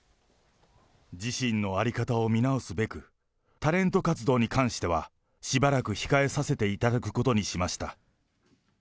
自身の在り方を見直すべく、タレント活動に関してはしばらく控えさせていただくことにしまし